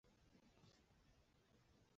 男裙是指男性所着的裙子。